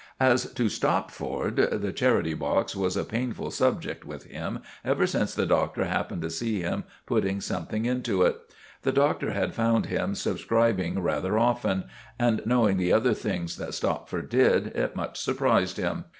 As to Stopford, the charity box was a painful subject with him ever since the Doctor happened to see him putting something into it. The Doctor had found him subscribing rather often, and knowing the other things that Stopford did, it much surprised him.